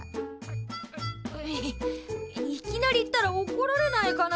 いいきなり行ったらおこられないかな？